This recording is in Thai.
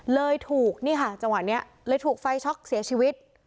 เลยถูกไฟช็อกเสียชีวิต